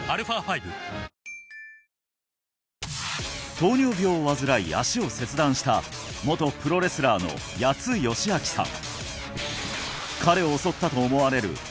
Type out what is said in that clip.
糖尿病を患い脚を切断した元プロレスラーの谷津嘉章さん